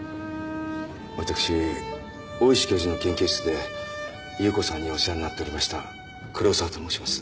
私大石教授の研究室で夕子さんにお世話になっておりました黒沢と申します。